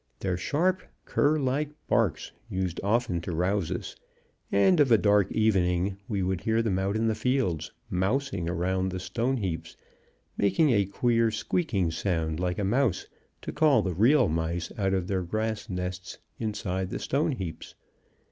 Their sharp, cur like barks used often to rouse us, and of a dark evening we would hear them out in the fields, "mousing" around the stone heaps, making a queer, squeaking sound like a mouse, to call the real mice out of their grass nests inside the stone heaps.